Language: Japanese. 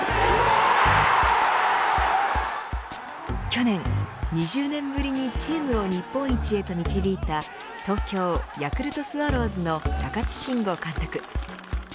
去年、２０年ぶりにチームを日本一へと導いた東京ヤクルトスワローズの高津臣吾監督。